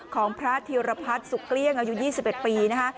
ของพระธีรพัฒน์สุขเกลี้ยงอายุ๒๑ปีนะคะ